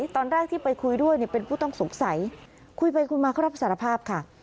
ตอนแรกที่ไปคุยด้วยเป็นผู้ต้องสงสัยคุยไปคุยมาเขารับสารภาพค่ะ